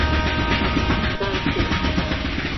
Ganke.